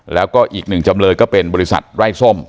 แล้วก็อีกหนึ่งจำเลยก็เป็นบริษัทไร้ส้ม